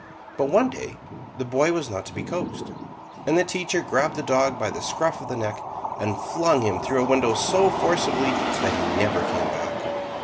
But one day the boy was not to be coaxed, and the teacher grabbed the dog by the scruff of the neck, and flung him through a window so forcibly that he never came back.